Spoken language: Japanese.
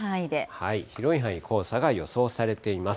広い範囲、黄砂が予想されています。